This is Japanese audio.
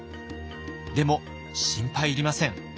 でも心配いりません。